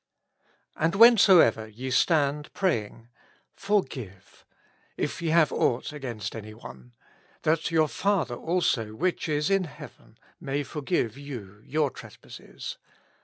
And whensoever ye stand praying, forgive^ ^f y^ have aught against any one ; that your Father also which is in heaven may forgive you your trespasses.